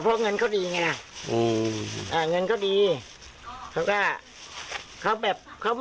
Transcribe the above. เพราะเงินเขาดีไงนะอืม